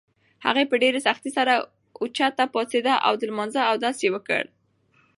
هغه په ډېرې سختۍ سره اوچته پاڅېده او د لمانځه اودس یې وکړ.